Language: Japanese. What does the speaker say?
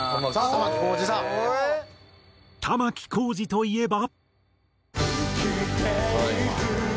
玉置浩二といえば。